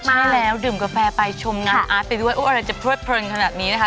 ใช่แล้วดื่มกาแฟไปชมงานอาร์ตไปด้วยอะไรจะพลวดเพลินขนาดนี้นะคะ